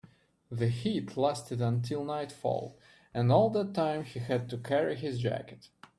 The heat lasted until nightfall, and all that time he had to carry his jacket.